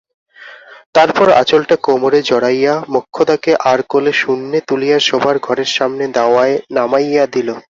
তারপর আঁচলটা কোমরে জড়াইয়া মোক্ষদাকে আড়কোলে শূন্যে তুলিয়া শোবার ঘরের সামনে দাওয়ায় নামাইয়া দিল।